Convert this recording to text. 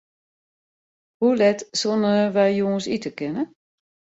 Hoe let soenen wy jûns ite kinne?